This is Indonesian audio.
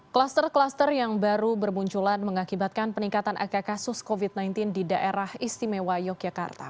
kluster kluster yang baru bermunculan mengakibatkan peningkatan angka kasus covid sembilan belas di daerah istimewa yogyakarta